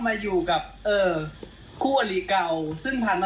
สำหรับที่ผมเคยบวชมาเคยแบบ